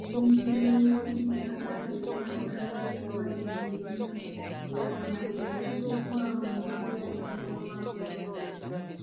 Minisita w'ebyenjigiriza yagambye; okulambika abayizi abali mu bibiina eby'akamalirizo kujja kubaawo mu Mukutulnsanja w'omwaka ogujja.